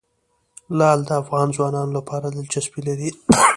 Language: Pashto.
لعل د افغان ځوانانو لپاره دلچسپي لري.